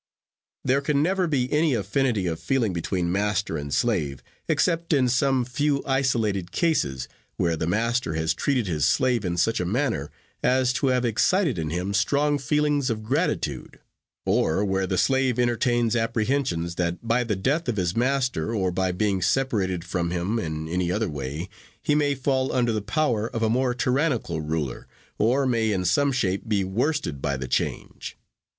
There never can be any affinity of feeling between master and slave, except in some few isolated cases, where the master has treated his slave in such a manner as to have excited in him strong feelings of gratitude; or where the slave entertains apprehensions, that by the death of his master, or by being separated from him in any other way, he may fall under the power of a more tyrannical ruler, or may in some shape be worsted by the change.